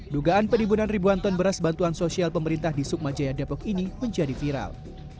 dugaan penimbunan ribuan ton beras bantuan sosial pemerintah di sukma jaya depok ini menjadi viral